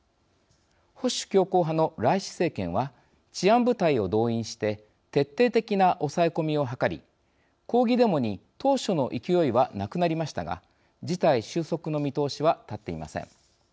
保守強硬派のライシ政権は治安部隊を動員して徹底的な抑え込みを図り抗議デモに当初の勢いはなくなりましたが事態収束の見通しは立っていません。